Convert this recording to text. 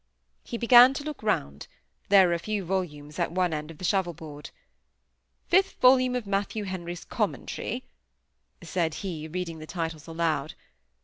He began to look round; there were a few volumes at one end of the shovel board. "Fifth volume of Matthew Henry's Commentary," said he, reading their titles aloud.